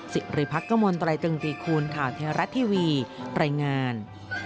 สิริพักกมลตรายตึงตรีคูณข่าวเทวรัฐทีวีรายงาน